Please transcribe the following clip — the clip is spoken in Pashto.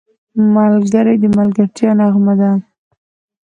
ملګری د ملګرتیا نغمه ده